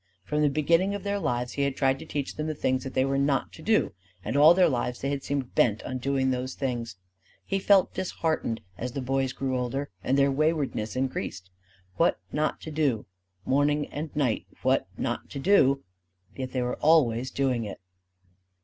From the beginnings of their lives he had tried to teach them the things they were not to do; and all their lives they had seemed bent on doing those things. He felt disheartened as the boys grew older and their waywardness increased. What not to do morning and night what not to do. Yet they were always doing it.